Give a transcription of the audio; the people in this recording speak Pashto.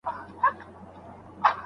هغه لا د عادت په پړاو کې دی.